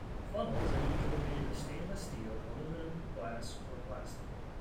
Funnels are usually made of stainless steel, aluminium, glass, or plastic.